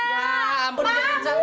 ya ampun dia kencang